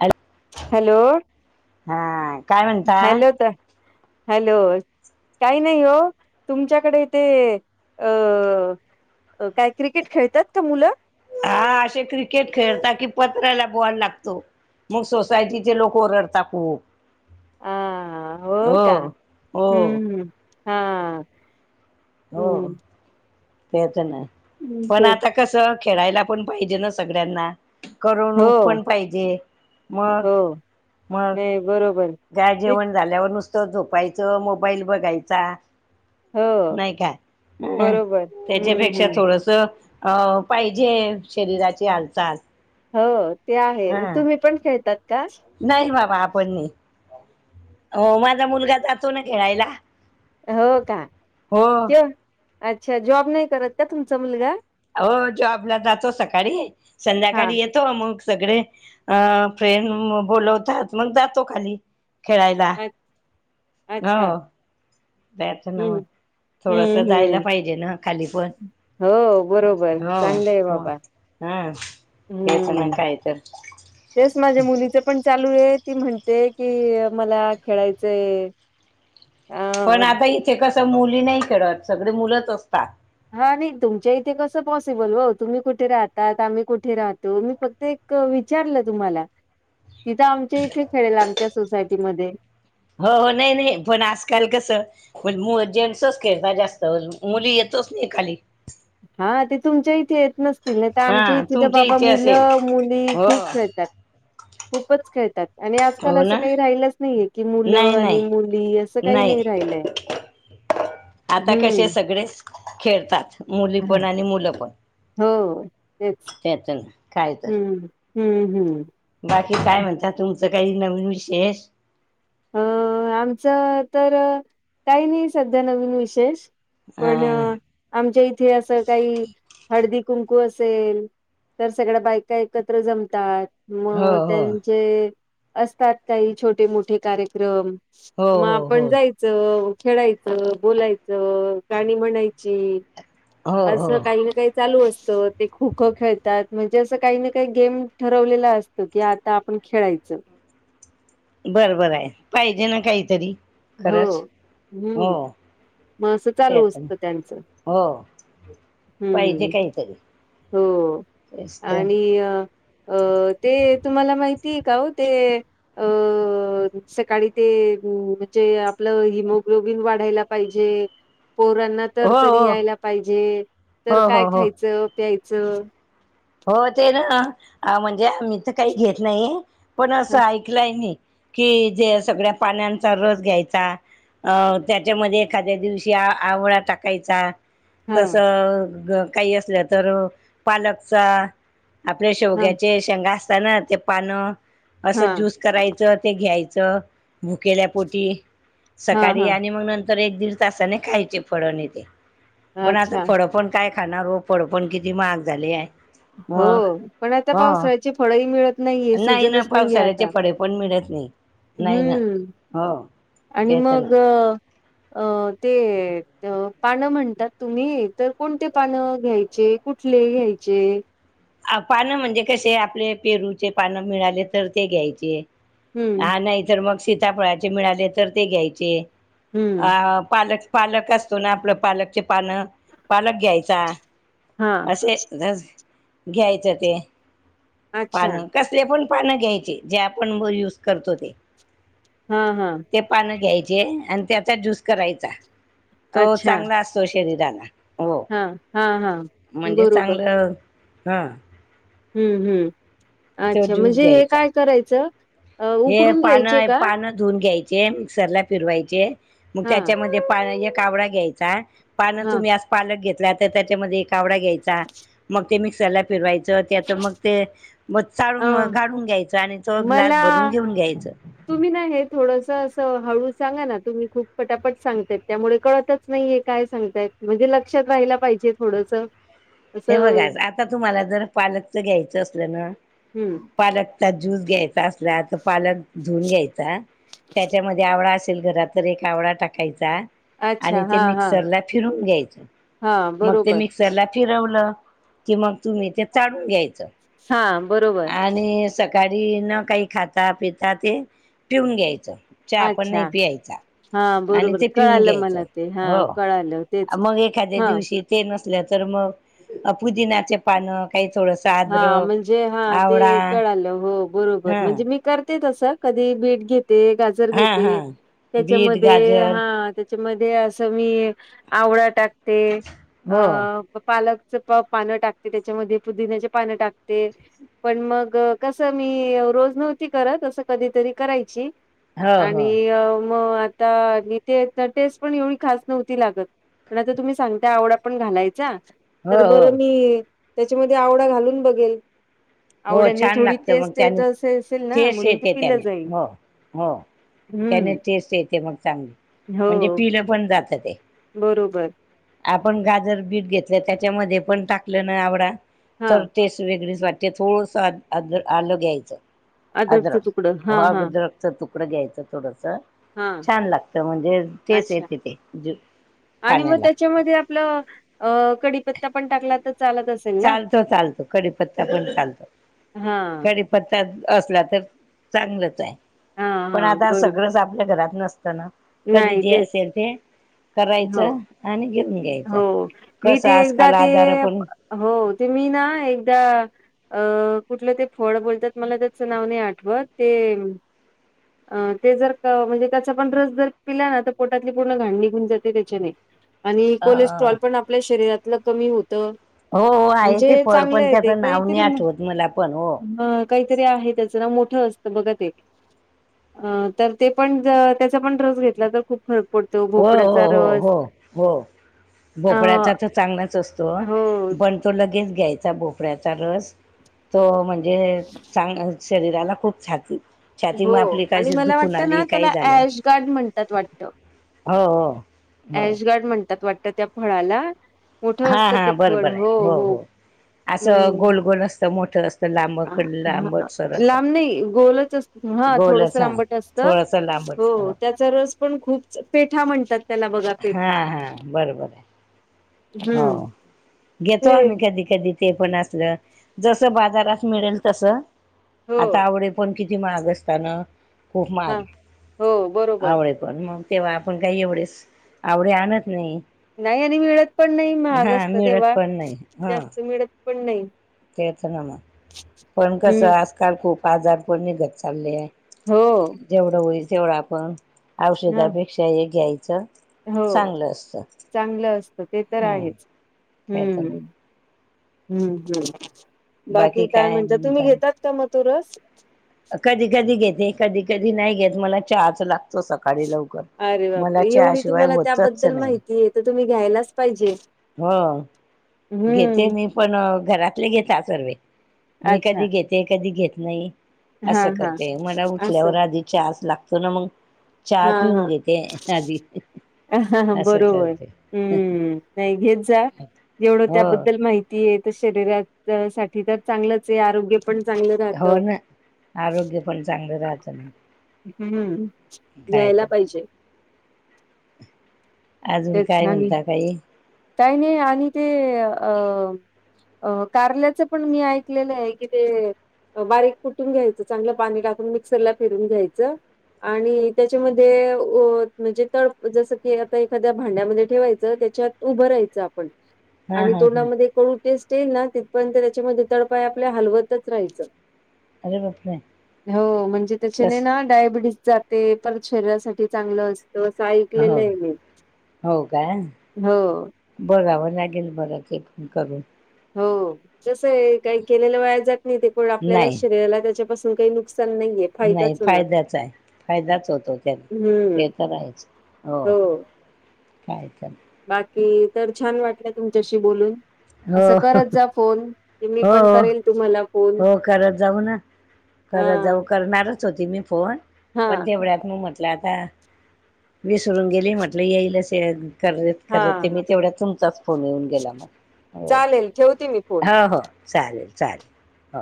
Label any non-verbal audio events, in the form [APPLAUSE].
Hello hello हा काय म्हणता हॅलो ता हॅलो काही नाही हो तुमच्याकडे ते अ, काय क्रिकेट खेळतात का मुलं. हा असे क्रिकेट खेळता की पत्र्याला बॉल लागतो. मग सोसायटीचे लोक ओरडतात खूप. हा हो का हो हम्म हम्म हा हो हम्म ते पण आहे पण तेच आता, कसं खेळायला पण पाहिजे ना सगळ्यांना. करणूक हो ओपण पाहिजे मग हो मग. नाही बरोबर जा ते जेवण झाल्यावर नुसतं झोपायचं मोबाईल बघायचा, हो नाही का ह बरोबर हम्म त्याच्यापेक्षा हम्म थोडस त पाहिजे शरीराची हालचाल. हो ते हा आहे तुम्ही पण खेळतात का? नाही बाबा आपण नाही अ माझा मुलगा जातो ना खेळायला. हो का, हो अच्छा जॉब नाही करत का तुमचा मुलगा. आओ जॉबला जातो सकाळी हा संध्याकाळी येत तो मग सगळे अ फ्रेंड बोलवतात मग जातो खाली खेळायला. अ- हो अच्छा जायच ना हम्म मग. थोडस हम्म हम्म जायला पाहिजे ना खाली पण हो बरोबर हो चांगलं आहे बाबा मग. हम तेच ना हम्म काय तर. तेच माझ्या मुलीच पण चालू आहे ती म्हणते की मला खेळायचंय. [UNINTELLIGIBLE] पण आता इथे कसं मुली नाही खेळत सगळे मुलंच असतात. हा नाही तुमच्या इथे कसं पॉसिबल हो तुम्ही कुठे राहतात आम्ही कुठे राहतो मी फक्त एक विचारलं तुम्हाला तिथं आमच्या इथे खेळेल आमच्या सोसायटीमध्ये. हो हो नाही नाही पण आजकाल कसं. ण मु जेंट्सच खेळतात जास्त मुली येतोच नाही खाली. हा ते तुमच्या इथे येत नसतील नाय तर आमच्या हा इथे तर तुमच्या बाबा असेल मुलं मुली हो खूप हो खेळतात. खूपच खेळतात. आणि आजकाल असं ना काही राहिलंच नाहीये की मुलं नाही नाही आणि मुली असं काही नाही राहिलंय. [UNINTELLIGIBLE] आता कसे सगळे खेळतात मुली पण आणि मुलं पण, हो तेच त्यातून काय तर हम्म हम्म हम्म. बाकी काय म्हणतात तुमचं काही नवीन विशेष. अ आमचं तर काही नाही सध्या नवीन विशेष. हा पण आमच्या इथे असं काही हळदी कुंकू असेल, तर सगळ्या बायका एकत्र जमतात. हो मग हो त्यांचे असतात काही छोटे मोठे कार्यक्रम हो मग हो आपण हो जायचं खेळायचं बोलायचं गाणी म्हणायचं ज हो असं हो काही ना काही चालू असत ते खो खो खेळतात म्हणजे असं काही ना काही गेम ठरवलेला असत त की आता आपण खेळायचं बरोबर आहे पाहिजे ना काहीतरी हो खरंच हो हम्म मग असं चालू त्याच ना. असतं त्यांचं हो पाहिजे हम्म काहीतरी हो तेच तर आणि अ अ ते तुम्हाला माहिती आहे का हो ते अ सकाळी ते आपलं हिमो्लोबिन वाढायला पाहिजे पोरांना तर हो तरी हो यायला पाहिजे तर हो काय हो हो खायचं प्यायचं हो ते ना म्हणजे आ मी तर काही घेत नाहीे पण असं हा ऐकलंय म कि जे सगळ्या पाण्यांचा रस घ्यायचा अ त्याच्यामध्ये एखाद्या दिवशी आवळा टाकायचा तस ग काही असलं तर पालकचा आपल्या हा शेवग्याचे शेंगा असतात ना ते पानं असं हा ज्यूस करायचं ते घ्यायचं भुकेल्यापोटी हा सकाळी हा आणि मग नंतर एक दीड तासाने खायचे फळ नाही तेे पण आता अच्छा फळ पण काय खाणारो पड पण किती महाग झाली आहे मग हो पण आता हा. पावसाळ्याची फळही मिळत नाहीय नाही ना सीझनच नाहीये पावसाळ्याचे आता फळे पण मिळत नाही नाही ना. हम्म हो. आणि तेच मग ना अ ते पानं म्हणतात तुम्ही तर कोणते पानं घ्यायचे. कुठले घयचे अ पानं म्हणजे कसे आपले पेरूचे पानं मिळाले तर ते घ्यायचे हम्म हा नाही तरर मग सीताफळाचे मिळाले तर ते घ्यायचे हम्म अ पालक पालक असतो ना आपलं पालकचे पानं पालक घ्यायचा हा से ज घ्यायचं ते अच्छा पानं कसले पण पानं घ्यायचे जे आपण युज करतो ते हा हा ते पानं घ्यायचे आणि त्याचा ज्यूस करायचा तो अच्छा चांगला अस सुशरी दला हो हा हा हा म्हणजे बरोबर चांगलं ह हम् हम् तो अच्छा ज्यूस म्हणजे हे घ्यायचा काय करायचं हे उकडून घ्यायचे पानं का पानं धुवून घ्यायचे मिक्सरला फिरवायचे मग हा त्याच्यामध्ये पा कावडा घ्यायचा. पानं हा तुम्ही आज पालक घेतला तर त्याच्यामध्ये एक आवडा घ्यायचा मग ते मिक्सरला फिरवायचा. त्याच मग ते मग चाळून अ गाढून घ्यायचं आणि त ग्लास मला भरून घेऊन घ्यायचं. तुम्ही नाही हे थोडस असं हळू सांगा ना तुम्ही खूप फटापट सांगता त्यामुळे कळत. नाहीये काय सांगतायत म्हणजे लक्षात राहायला पाहिजे थोडस. हे असं बघाच आता तुम्हाला जर पालकच घ्यायचं असलं ना हम्म पालकचा ज्यूस घ्यायचा. पालक धुून घ्यायचा त्याच्यामध्ये आवड असेल घरात ज एक आवडा टाकायचा. अच्छा आणि ते हा हा मिक्सरला फिरून घ्यायचं हा मग ते बरोबर मिक्स त्याला फिरवलं की मग तुम्ही ते चाढून घ्यायचं. हा बरोबर. आणि सकाळी न काही खाता पिता ते पिऊून घ्यायचं. हा पण नाही अच्छा पियायचा. हा आणि बरोबर ते पिऊन कळालं घ्यायचं मला ते हा हो कळालं तेच मग एखाद्या हा दिवशी ते नसल्या तर मग पुदिन्याचे पानं काही थोडस आदरक जे हा ते कळालं हो बरोबर हं म्हणजे मी करते तस कधी बीट घेते गं. हा हा घे बीट त्याच्यामध्ये गाजर हा. त्याच्यामध्ये असं मी आवळा टाकते अ हो पालक. पानं टाकते त्याच्यामध्ये पुदिन्याचे पानं टाकते. पण मग कसं मी रोज नव्हती करत असं कधीतरी करायची. हो हो आणि मग आता ते टेस्ट पण एवढी खास नव्हती लागत. पण आता तुम्ही सांगता आवडा पण घालायचा. हो तर हो बरं मी त्याच्यामध्ये आवडा घालून बघेल. हो आवड आणि छान थोडी लागत मग टेस्ट येत त्याने असे असेल ना ठेस म्हणून ते येते पिलं त्याने जाईल. हो हो. त्याने हम्म टेस्ट येते मग चांगली म्हणजे हो पिलं पण जात ते. बरोबर. आपण गाजर बीट घेतलं त्याच्यामध्ये पण टाकलं ना आवडा हा तर टेस्ट वेगळीच वाटते. ते थोडस आलं घ्यायचं. अद्रकचं अ्र तुकडं हा हा वागद रक्त तुकड घ आयत थोडस. हा छान लागतं म्हणजे तेच अच्छा येते तेे. आणि मग त्याच्यामध्ये आपलं अ कडीपत्ता पण टाकला तर चालत असत. चालतो चालतो कडीपत्ता पण चालतो हा क. असला तर चांगलच आहे हा पण हा आता बरोबर सगळं. आपल्या घरात नसताना कधी नाही जे तेच असेल ते हो करायचं आणि घेऊन. घ्यायचं हो मी कसं ते एकदा आजकाल ते आजार पण हो ते मी ना एकदा अ कुठलं ते फळ बोलतात मला त्याचं नाव नाही आठवत ते अ ते जर म्हणजे त्याचा पण रस जर पिला ना तर पोटातली पूर्ण घाण निघून जाते त्याच्याने आणि अ कोलेस्ट्रॉल पण आपल्या शरीरातलं कमी होतं हो हो ण आहे ते जे फळ चांगले पण आहे ते त्याचं नाव नाही काहीतरी म आठवत मला पण हो काहीतरी आहे त्याचं नाव मोठं असतं बघत एक. अ तर ते पण त्याचा पण रस घेतला तर खूप फरक पडतो हो हो भोपड्याचा हो रस. हो हो अ भोपळ्याचा तर चांगलाच असतो हो पण. तो लगेच घ्यायचा भोपऱ्याचा रस तो म्हणजे चांग शरीराला खूप छाकी. हो आणि मला वाटतं ना काही त्याला झालं श गार्ड म्हणतात वाटत. हो हो हो शगारड म्हणतात वाटत त्या फळाला मोठं हां असतं ते हां फळ बरोबर आहे हो हो. असं हम्म गोल गोल असतं मोठं असतं लांबकड हा लांबटसर असं लांब नाही गोलच असत. हा थोडस गोलच हां लांबट असत थोडंसं हो लांबट त्याचा रस पण खूप पीठा म्हणतात. त्याला बघा पेठा. हा बरोबर आहे हम्म हो घेतो ते आम्ही कधी कधी. ते पण असलं जसं बाजारात मिळेल तस. हो आता आवडे पण किती महाग असताना खूप हा महाग हो बरोबर आवडेत पण मग तेव्हा आपण काही एवढेच आवडे आणत नाही नाही आणि मिळत पण नाही महाग हां असत मिळत तेव्हा पण नाही हां जास्त मिळत पण नाही तेच ना मग पण हम्म कसं आजकाल खूप आजार पण निघत चालले आहे हो जेवढं होईल तेवढं आपण ह औषधापेक्षा हे घ्यायचं हो चांगलं असतं चांगलं असतं ते तर हम्म आहेच त्यातन हम्म हम्म हम्म बाकी काय म्हणत तुम्ही घेतात का मथुरस कधी कधी घेते कधी कधी नाही घेत मला चार्च ला सकाळी लवकर अरे मला बापरे एवढी शिवाय तुम्हाला होतच त्याबद्दल नाही माहितीय तर तुम्ही घ्यायलाच पाहिजे. हा घेते हम्म मी पण घरातले घेत सर्व मी अच्छा कधी घेते. ते कधी घेत नाही हा असं हा करते मला असं उठल्यावर आधी चहा लागतो ना मग चहा हा पिऊन हा घेते आधी असं बरोबर करते हम् नाही घेत जा जवढं हो त्याबद्दल माहिती शरीरा साठी तर चांगलंच आहे आरोग्य ण चांगलं हो राहतं. ना आरोग्य पण चांगलं राहत ना. हम्म काय या्यायला तर पाहिजे. अजून तेच काय आणि म्हणता काही काही नाहि अ कारल्याचं पण मी ऐकलेलं आहे की ते बारीक फुटून घ्यायचं चांगलं पाणी टाकून मिक्सरला फिरून घ्यायचं. आणि त्याच्यामध्ये अ म्हणजे तडप जसं की आता एखाद्या भांड्यामध्ये ठेवायचं त्याच्यात उभं राहायचं आपण हां आणि हां हां तोंडामध्ये कळू टेस्ट येईल ना तिथ पण त्याच्यामध्ये तडपाय आपल्या हलवतच राहायं. अरे बापरे हो म्हणजे त्याच्याने तस ना डायबिटीस जाते पण शरीरासाठी चांगलं असतं असं हो ऐकलेलं आहे म. हो का हो बोलावं लागेल बरंच करून हो जसं आहे काही केलेलं वया जात नाही ते पण आपल्याला नाही शरीराला त्याच्यापासून काही नुकसा नाहीये. नाही फायदाच होणार फायद्याचा आहे फायदाच होतो त्याने हम्म ते तरराहायचं हो काय तर. बाकी तर छान वाटलं तुमच्याशी बोलून. असं हो करत जा फोन क मी हो पण करेल तुम्हाला फोन हा खरं जाऊ करणारच होती मी फोन हा पण तेवढ्यात मग म्हटलं आता विसरून गेली म्हटल येईलच कर करते हा मी तेवढ्या तुमचाच फोन येऊून गेलामो चालेल ठेवते मी फोन चालेल चालेल. हो